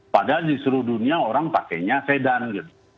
padahal di seluruh dunia orang pakainya sedan gitu